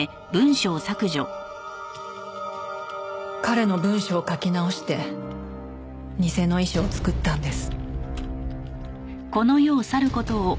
彼の文書を書き直して偽の遺書を作ったんです。